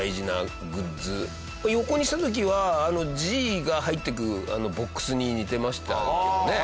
横にした時はＧが入ってくるボックスに似てましたけどね。